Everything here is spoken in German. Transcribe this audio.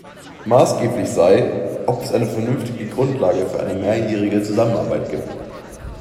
Maßgeblich sei, "ob es eine vernünftige Grundlage für eine mehrjährige Zusammenarbeit gibt".